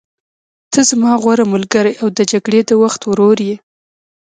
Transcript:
ته زما غوره ملګری او د جګړې د وخت ورور یې.